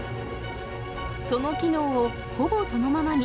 その機能をほぼそのままに、